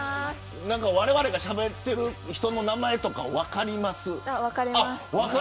われわれがしゃべっている人の名前とか分かります。